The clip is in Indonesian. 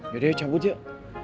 yaudah cabut yuk